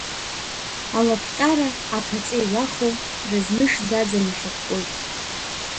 Алапҟьара аԥаҵа иҩахо, разныш ӡаӡа нахьыкәкәоит.